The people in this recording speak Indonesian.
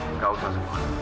enggak usah sukma